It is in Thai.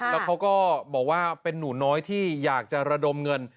แล้วเขาก็บอกว่าเป็นหนูน้อยที่อยากจะระดมเงิน